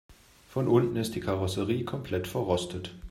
Von unten ist die Karosserie komplett verrostet.